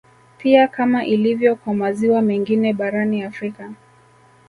Pia kama ilivyo kwa maziwa mengine barani Afrika